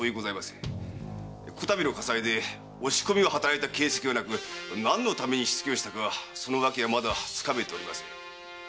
こたびの火災で押し込みを働いた形跡はなく何のために火付けをしたかそのわけはつかめていません。